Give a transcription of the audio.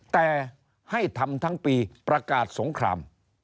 แต่ให้ทำทั้งปีประกาศสงคราม